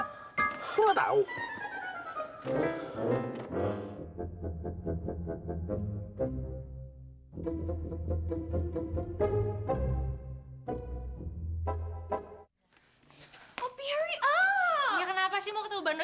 gue nggak tahu